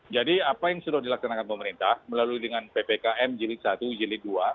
jadi apa yang sudah dilaksanakan pemerintah melalui dengan ppkm jilid satu jilid dua